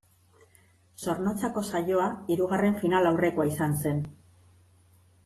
Zornotzako saioa hirugarren finalaurrekoa izan zen.